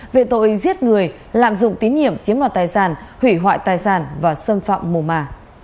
về tội giết người lạm dụng tín nhiệm chiếm đoạt tài sản hủy hoại tài sản và xâm phạm mùa mà